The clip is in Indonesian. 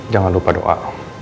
jangan lupa doa